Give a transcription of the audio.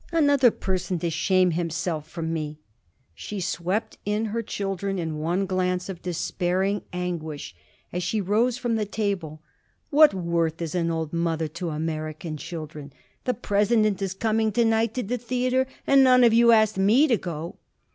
Another person to shame himself from me!" She swept in her children in one glance of despairing anguish as she rose from the table. "What worth is an old mother to American children? The President is coming to night to the theater, and none of you asked me to go."